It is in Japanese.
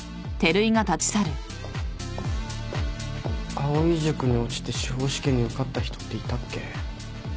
藍井塾に落ちて司法試験に受かった人っていたっけ？